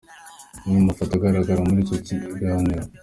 Amwe mu mafoto agaragara muri icyo kiganiro